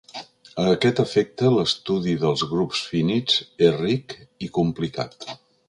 A aquest efecte, l'estudi dels grups finits és ric i complicat.